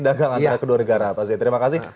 dagang antara kedua negara terima kasih